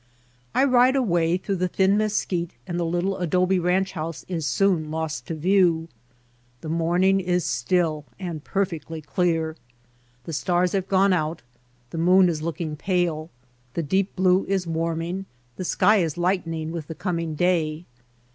I ride away through the thin mesquite and the little adobe ranch house is soon lost to view. The morning is still and perfectly clear. The stars have gone out, the moon is looking pale, the deep blue is warming, the sky is lightening with the coming day.